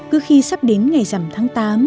cứ khi sắp đến ngày giảm tháng tám